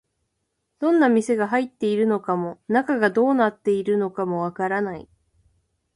どんな店が入っているのかも、中がどうなっているのかもわからない